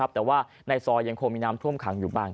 แต่ว่าในซอยยังคงมีน้ำท่วมขังอยู่บ้าง